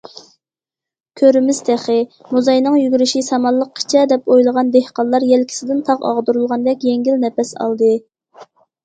‹‹ كۆرىمىز تېخى، موزاينىڭ يۈگۈرۈشى سامانلىققىچە›› دەپ ئويلىغان دېھقانلار يەلكىسىدىن تاغ ئاغدۇرۇلغاندەك يەڭگىل نەپەس ئالدى.